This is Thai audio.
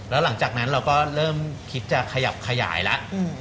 แล้วหลังจากนั้นเราก็เริ่มคิดจะขยับขยายแล้ว